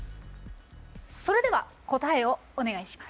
それでは答えをお願いします。